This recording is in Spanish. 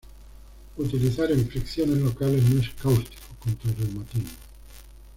Utilizar en fricciones locales, no es cáustico, contra el reumatismo.